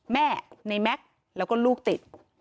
แม่ในแม็กซ์แล้วก็ลูกติด